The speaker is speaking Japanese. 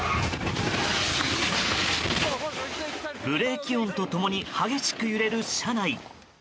ブレーキ音と共に激しく揺れる車内。